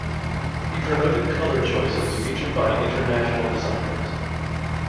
He promoted colour choices featured by international designers.